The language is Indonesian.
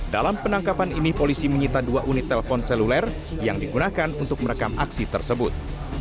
dalam penangkapan ini polisi menyita dua unit telepon seluler yang digunakan untuk merekam aksi tersebut